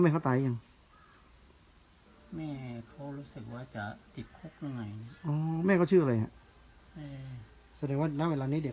อ๋อแม่เขาตายอ๋ออเพราะเขาก็เป็นลูกเอี๊ด